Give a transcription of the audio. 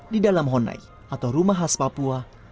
di dalam honai atau rumah khas papua